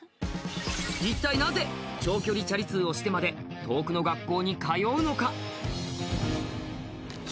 一体なぜ長距離チャリ通をしてまで遠くの学校に通うのか？